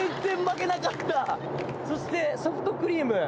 そしてソフトクリーム。